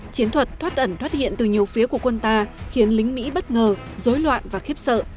chiến thuật thoát ẩn thoát hiện từ nhiều phía của quân ta khiến lính mỹ bất ngờ dối loạn và khiếp sợ